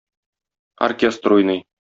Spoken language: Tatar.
Оркестр уйный.